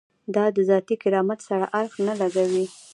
دا د ذاتي کرامت سره اړخ نه لګوي.